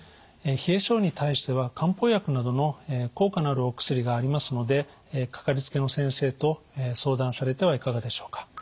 冷え性に対しては漢方薬などの効果のあるお薬がありますのでかかりつけの先生と相談されてはいかがでしょうか。